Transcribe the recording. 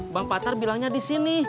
bang patar bilangnya disini